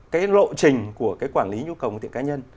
cái lộ trình của quản lý nhu cầu phương tiện cá nhân